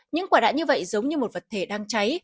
những quả đạn như vậy giống như một vật thể đang cháy